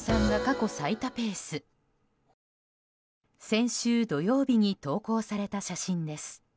先週土曜日に投稿された写真です。